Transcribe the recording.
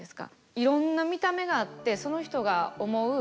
いろんな見た目があってその人が思う感覚